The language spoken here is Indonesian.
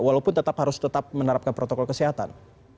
walaupun tetap harus tetap menerapkan protokol kesehatan